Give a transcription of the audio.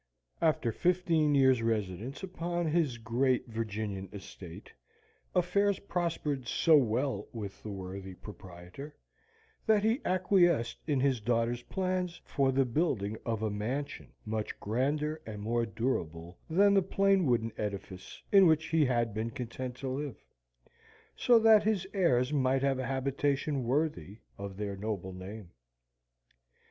After fifteen years' residence upon his great Virginian estate, affairs prospered so well with the worthy proprietor, that he acquiesced in his daughter's plans for the building of a mansion much grander and more durable than the plain wooden edifice in which he had been content to live, so that his heirs might have a habitation worthy of their noble name.